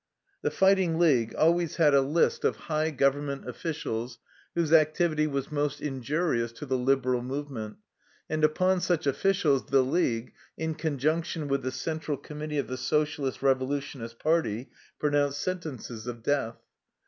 The "fighting league" always had a list of 127 THE LIFE STORY OF A RUSSIAN EXILE high government officials whose activity was most injurious to the liberal movement, and upon such officials the league, in conjunction with the central committee of the Socialist Rev olutionists' party, pronounced sentences of death.